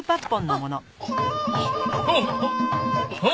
あっ！